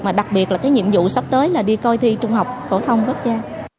mà đặc biệt là cái nhiệm vụ sắp tới là đi coi thi trung học phổ thông quốc gia